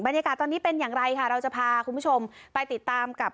บรรยากาศตอนนี้เป็นอย่างไรค่ะเราจะพาคุณผู้ชมไปติดตามกับ